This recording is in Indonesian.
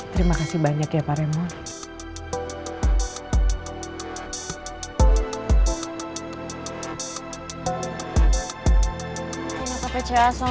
terima kasih banyak ya pak remo